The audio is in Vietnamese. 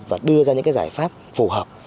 và đưa ra những cái giải pháp phù hợp